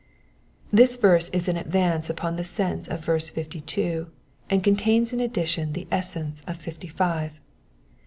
This verse is an advance upon the sense of verse fifty two, and contains in addition the essence of fifty five.